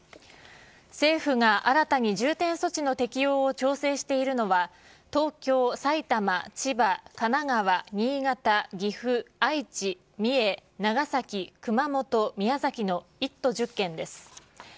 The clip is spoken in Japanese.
政府が新たに重点措置の適用を検討しているのは、東京、埼玉、千葉、神奈川、新潟、岐阜、愛知、三重、長崎、熊本、宮崎の１都１０県です。